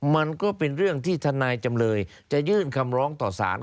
มันก็เป็นเรื่องที่ทนายจำเลยจะยื่นคำร้องต่อสาร